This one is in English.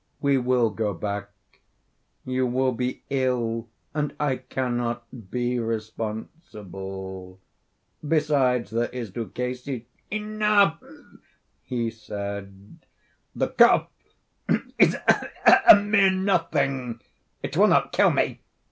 We will go back; you will be ill, and I cannot be responsible. Besides, there is Luchesi—" "Enough," he said; "the cough is a mere nothing; it will not kill me.